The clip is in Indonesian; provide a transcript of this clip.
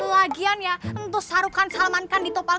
lagian ya untuk sahrukan salmankan di topal